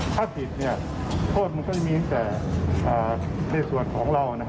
ถ้าผิดโทษมันก็จะมีตั้งแต่ในส่วนของเรา